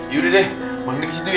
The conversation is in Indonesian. yaudah deh bang dik ke situ ya